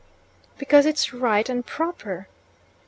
"Because it's right and proper."